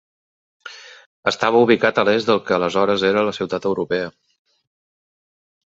Estava ubicat a l'est del que aleshores era la Ciutat Europea.